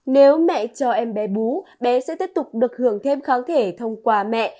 nếu mẹ cho em bé bú bé sẽ tiếp tục được hưởng thêm kháng thể thông qua mẹ